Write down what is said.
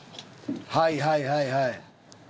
はいはいはいはい。